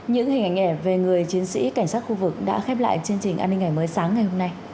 những hình ảnh về người chiến sĩ cảnh sát khu vực đã khép lại chương trình an ninh ngày mới sáng ngày hôm nay